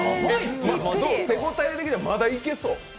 手応え的には、まだいけそう？